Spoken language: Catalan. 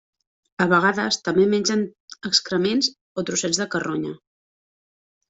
A vegades també mengen excrements o trossets de carronya.